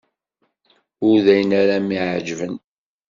Ur d ayen ara m-iεeǧben.